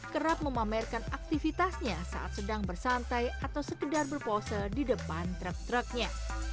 kerap memamerkan aktivitasnya saat sedang bersantai atau sekedar berpose di depan truk truknya